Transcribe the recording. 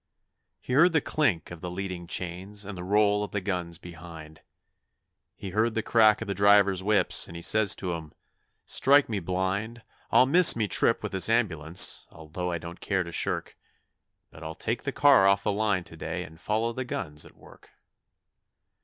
He heard the clink of the leading chains and the roll of the guns behind He heard the crack of the drivers' whips, and he says to 'em, 'Strike me blind, I'll miss me trip with this ambulance, although I don't care to shirk, But I'll take the car off the line to day and follow the guns at work.'